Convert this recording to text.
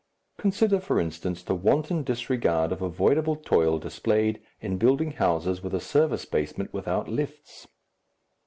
Consider, for instance, the wanton disregard of avoidable toil displayed in building houses with a service basement without lifts!